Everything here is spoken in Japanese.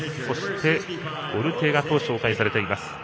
そして、オルテガと紹介されています。